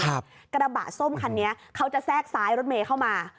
กระบะส้มคันนี้เขาจะแทรกซ้ายรถเมย์เข้ามา